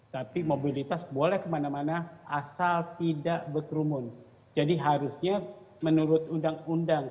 tapi mobilitas boleh kemana mana asal tidak berkerumun jadi harusnya menurut undang undang